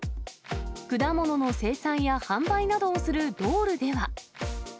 果物の生産や販売などをするドールでは。